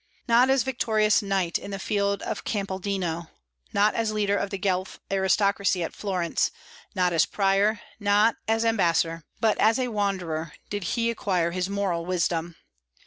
"Not as victorious knight on the field of Campaldino, not as leader of the Guelph aristocracy at Florence, not as prior, not as ambassador," but as a wanderer did he acquire his moral wisdom.